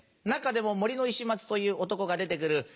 中でも森の石松という男が出て来る